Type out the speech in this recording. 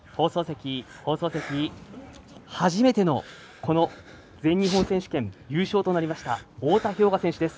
放送席、初めての全日本選手権優勝となりました太田彪雅選手です。